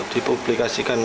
dipublikasikan ke mana